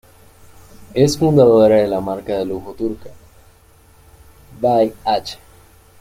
Es fundadora de la marca de lujo turca "by H".